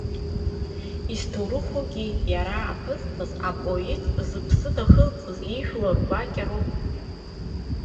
Изҭоурыхугьы иара аԥызҵаз апоет зыԥсы дахылҵыз ижәлар гәакьа роуп.